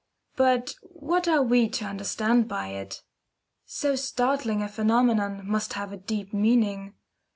But what are we to understand by it? So startling a phenomenon must have a deep meaning.